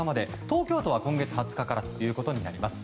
東京都は今月２０日からということになります。